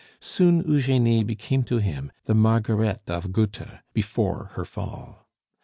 Soon Eugenie became to him the Margaret of Goethe before her fall.